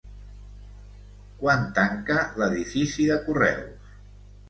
Quan tanca l'edifici de correus?